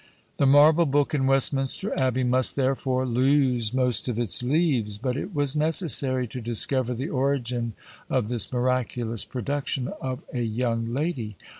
The marble book in Westminster Abbey must, therefore, lose most of its leaves; but it was necessary to discover the origin of this miraculous production of a young lady.